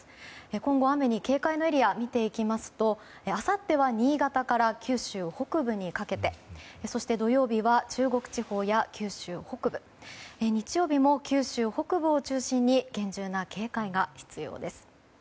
今後、雨に警戒のエリアを見ていきますとあさっては新潟から九州北部にかけてそして土曜日は中国地方や九州北部日曜日も九州北部を中心に厳重な警戒が必要です。